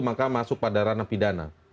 maka masuk pada ranah pidana